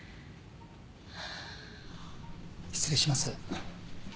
・失礼します。